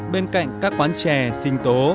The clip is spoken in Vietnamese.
bên cạnh các quán chè xinh tố